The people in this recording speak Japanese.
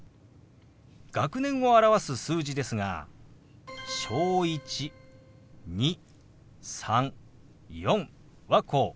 学年を表す数字ですが「小１」「２」「３」「４」はこう。